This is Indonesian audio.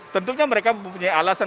tentunya mereka mempunyai alasan